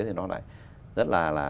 thì nó lại rất là khó khăn